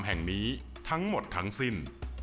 แห่งนี้ทั้งหมดทั้งสิ้น